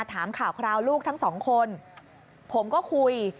ถามข่าวคราวลูกทั้งสองคนผมก็คุย